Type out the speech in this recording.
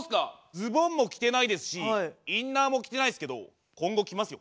ズボンも着てないですしインナーも着てないですけど今後きますよ。